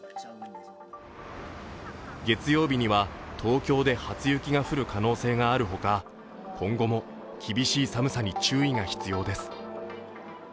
月曜日には東京で初雪が降る可能性がある他、今後も厳しい寒さに注意が必要です。